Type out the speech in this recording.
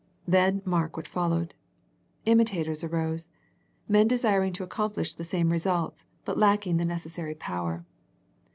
Then mark what followed. Imitators arose, men desiring to accomplish the same results, but lacking the necessary power.